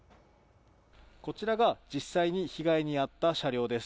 こちらが実際に被害に遭った車両です。